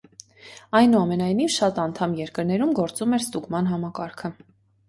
Այնուամենայնիվ, շատ անդամ երկրներում գործում էր ստուգման համակարգը։